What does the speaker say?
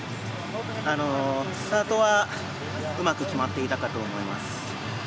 スタートはうまく決まっていたかと思います。